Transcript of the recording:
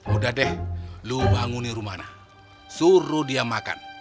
udah deh lu bangunin rumana suruh dia makan